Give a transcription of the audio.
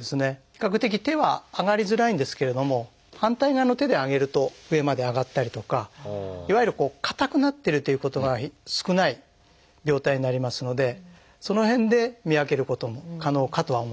比較的手は上がりづらいんですけれども反対側の手で上げると上まで上がったりとかいわゆる硬くなってるということが少ない病態になりますのでその辺で見分けることも可能かとは思います。